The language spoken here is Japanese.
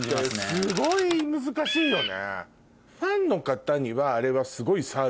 すごい難しいよね。